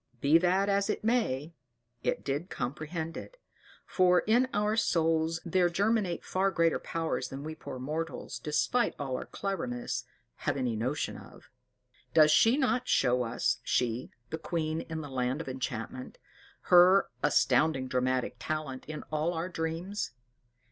Be that as it may, it did comprehend it; for in our souls there germinate far greater powers than we poor mortals, despite all our cleverness, have any notion of. Does she not show us she the queen in the land of enchantment her astounding dramatic talent in all our dreams?